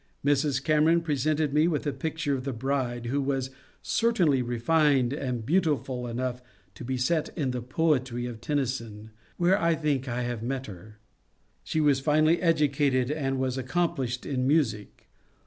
Mrs. Cameron presented me with a picture of the bride, who was certainly refined and beautiful enough to be set in the poetry of Tennyson, where I think I have met her. She was finely educated, and was accomplished in music.